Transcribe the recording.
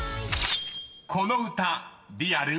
［この歌リアル？